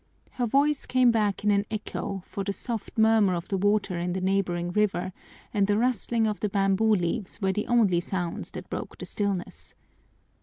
Her voice came back in an echo, for the soft murmur of the water in the neighboring river and the rustling of the bamboo leaves were the only sounds that broke the stillness.